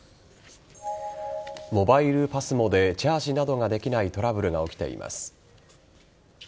モバイルＰＡＳＭＯでチャージなどができないトラブルが起きています。